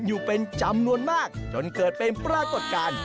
อยู่เป็นจำนวนมากจนเกิดเป็นปรากฏการณ์